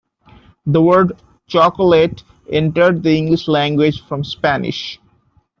The word "chocolate" entered the English language from Spanish.